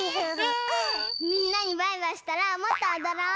みんなにバイバイしたらもっとおどろう！